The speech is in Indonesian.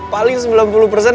paling sebelum gue berubah